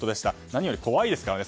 何より怖いですからね。